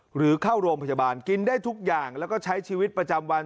หรือเข้าโรงพยาบาลกินได้ทุกอย่างแล้วก็ใช้ชีวิตประจำวัน